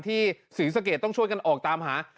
ศรีสะเกดต้องช่วยกันออกตามหา